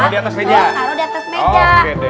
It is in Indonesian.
taruh di atas meja